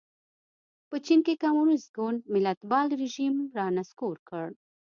په چین کې کمونېست ګوند ملتپال رژیم را نسکور کړ.